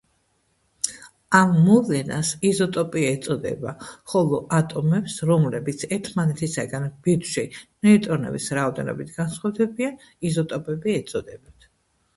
ამ მოვლენას იზოტოპია ეწოდება, ხოლო ატომებს რომლებიც ერთმანეთისაგან ბირთვში ნეიტრონების რაოდენობით განსხვავდებიან იზოტოპები ეწოდებათ.